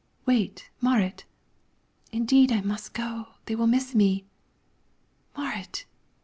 "Wait, Marit!" "Indeed I must go; they will miss me." "Marit!